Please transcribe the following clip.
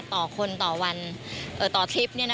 ต่อคนต่อวันต่อทริป